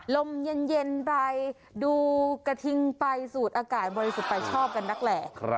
ลมเย็นไปดูกระทิงไปสูดอากาศบริสุทธิ์ไปชอบกันนักแหล่